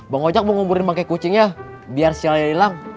bang ojak mau nguburin pake kucingnya biar si alia hilang